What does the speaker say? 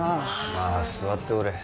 まあ座っておれ。